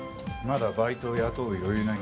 まだバイトを雇う余裕ないんで。